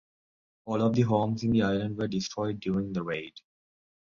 All of the homes in the island were destroyed during the raid.